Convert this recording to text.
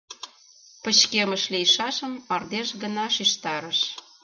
Пычкемыш лийшашым мардеж гына шижтарыш.